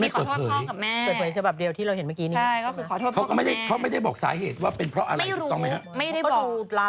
ก็คือมีเกลิ่นขอโทษพ่อกับแม่